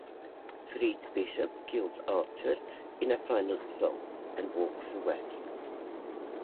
Freed, Bishop kills Archer in a final assault and walks away.